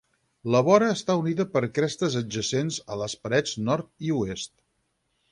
La vora està unida per crestes adjacents a les parets nord i oest.